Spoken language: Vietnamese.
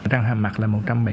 răng hà mặt là một trăm bảy mươi